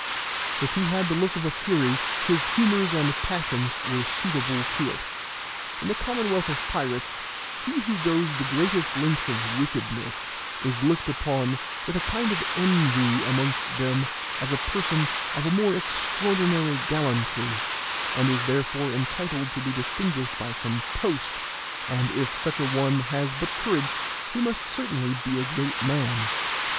If he had the look of a fury, his humors and passions were suitable to it. In the commonwealth of pirates, he who goes the greatest length of wickedness is looked upon with a kind of envy amongst them as a person of a more extraordinary gallantry, and is thereby entitled to be distinguished by some post, and if such a one has but courage, he must certainly be a great man.